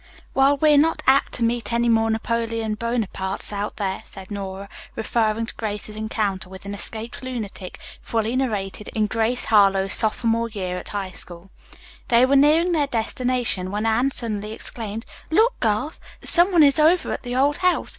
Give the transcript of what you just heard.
"Well we are not apt to meet any more Napoleon Bonapartes out there," said Nora, referring to Grace's encounter with an escaped lunatic, fully narrated in "GRACE HARLOWE'S SOPHOMORE YEAR AT HIGH SCHOOL." They were nearing their destination when Anne suddenly exclaimed: "Look, girls. Some one is over at the old house.